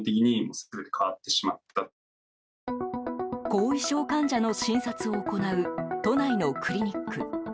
後遺症患者の診察を行う都内のクリニック。